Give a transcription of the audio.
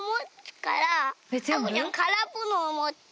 からっぽのをもって。